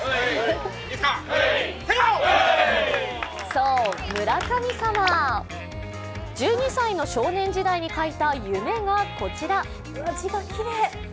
そう、村神様、１２歳の少年時代に書いた夢がこちら。